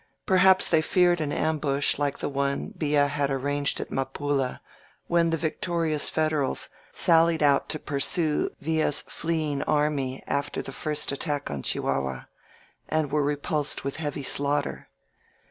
Perhaps they feared an ambush like the one Villa had arranged at Mapula, when the victorious Federals sallied out to pursue Villa's fleeing army after the first attack on ChihuflJiua, and were repulsed with heavy slaughter.